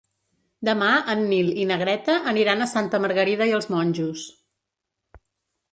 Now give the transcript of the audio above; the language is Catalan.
Demà en Nil i na Greta aniran a Santa Margarida i els Monjos.